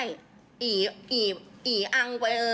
อีอีอีอังไปเออ